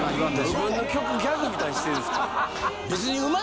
自分の曲ギャグみたいにしてるんですか。